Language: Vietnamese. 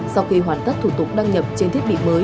sau khi hoàn tất thủ tục đăng nhập trên thiết bị mới